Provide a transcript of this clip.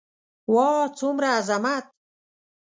واه څومره عظمت.